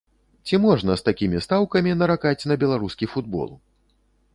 Ці можна з такімі стаўкамі наракаць на беларускі футбол?